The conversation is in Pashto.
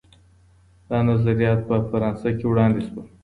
دا نظریات په فرانسه کي وړاندې سول.